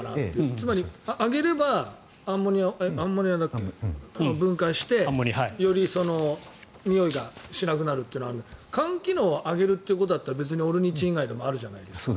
つまり、上げればアンモニアを分解してより、においがしなくなるというのがあるけど肝機能を上げるということだったらオルニチン以外でもあるじゃないですか。